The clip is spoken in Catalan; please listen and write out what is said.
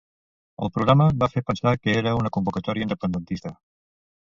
El programa va fer pensar que era una convocatòria independentista.